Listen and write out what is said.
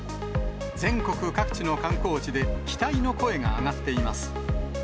全国各地の観光地で、期待の声が上がっています。